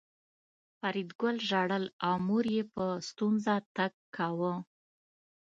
فریدګل ژړل او مور یې په ستونزه تګ کاوه